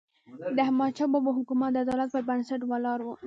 د احمدشاه بابا حکومت د عدالت پر بنسټ ولاړ و.